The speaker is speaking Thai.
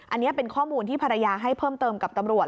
อันนี้เป็นข้อมูลที่ภรรยาให้เพิ่มเติมกับตำรวจ